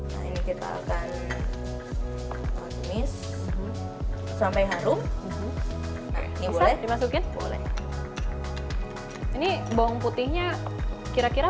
nah ini kita akan manis sampai harum ini boleh dimasukin boleh ini bawang putihnya kira kira